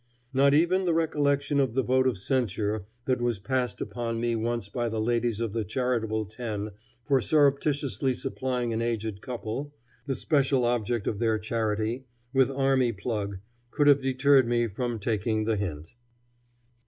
Not even the recollection of the vote of censure that was passed upon me once by the ladies of the Charitable Ten for surreptitiously supplying an aged couple, the special object of their charity, with army plug, could have deterred me from taking the hint.